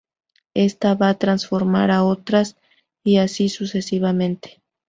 Esta va a transformar a otras, y así sucesivamente.